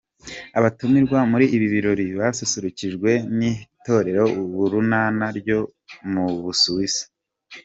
Abatumirwa muri ibi birori basusurukijwe n’ Itorero Urunana ryo mu Busuwisi.